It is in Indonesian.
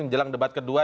di jelang debat kedua